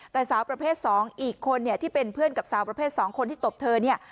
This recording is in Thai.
แต่สาวประเภท๒อีกคนเนี่ยที่เป็นเพื่อนกับสาวประเภท๒คนที่ตบเธอเนี่ย